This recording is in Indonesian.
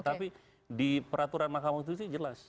tetapi di peraturan makam konstitusi jelas